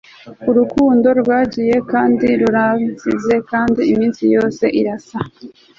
Urukundo rwagiye kandi ruransize kandi iminsi yose irasa